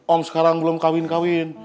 om sekarang belum kawin kawin